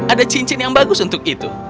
ada cincin yang bagus untuk itu